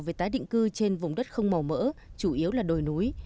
về tái định cư trên vùng đất không màu mỡ chủ yếu là đồi núi